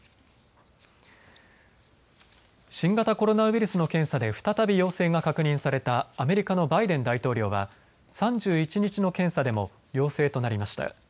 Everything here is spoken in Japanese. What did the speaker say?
新型コロナウイルスの検査で再び陽性が確認されたアメリカのバイデン大統領は３１日の検査でも陽性となりました。